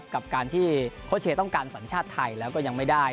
กับการที่โค้ชเชย์ต้องการสัญชาติไทยแล้วก็ยังไม่ได้